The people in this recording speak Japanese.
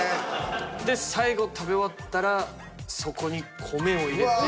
で最後食べ終わったらそこに米を入れて。